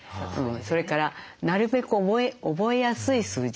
それからなるべく覚えやすい数字。